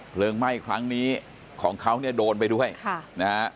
ไหม้ครั้งนี้ของเขาเนี่ยโดนไปด้วยค่ะนะฮะ